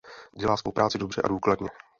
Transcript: Dělá svou práci dobře a důkladně.